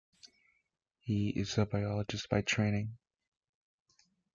He is a biologist by training.